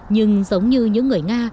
nhưng giống như những người nga